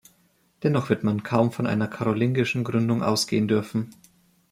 Dennoch wird man kaum von einer karolingischen Gründung ausgehen dürfen.